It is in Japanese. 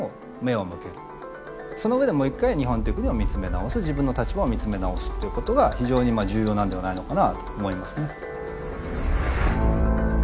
その上でもう一回日本っていう国を見つめ直す自分の立場を見つめ直すっていうことが非常に重要なんではないのかなと思いますね。